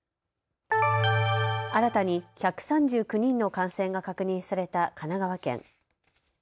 新たに１３９人の感染が確認された神奈川県。